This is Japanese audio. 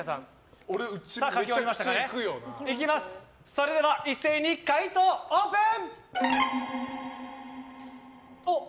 それでは一斉に解答オープン！